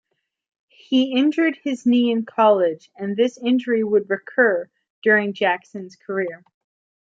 He injured his knee in college, and this injury would recur during Jackson's career.